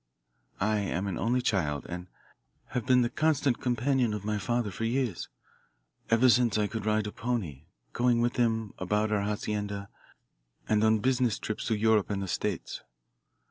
I am an only child and have been the constant companion of my father for years, ever since I could ride a pony, going with him about our hacienda and on business trips to Europe and the States.